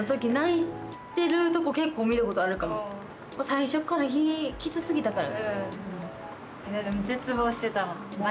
最初っからきつすぎたから？